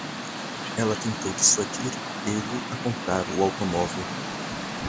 Ela tentou dissuadir ele a comprar o automóvel.